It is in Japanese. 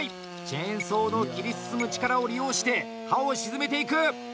チェーンソーの切り進む力を利用して、刃を沈めていく。